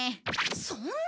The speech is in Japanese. そんな！